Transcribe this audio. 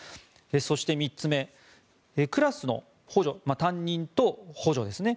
そして、３つ目クラスの補助、担任と補助ですね